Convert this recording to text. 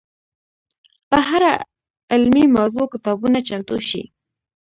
په هره علمي موضوع کتابونه چمتو شي.